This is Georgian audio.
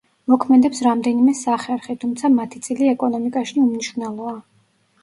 მოქმედებს რამდენიმე სახერხი, თუმცა მათი წილი ეკონომიკაში უმნიშვნელოა.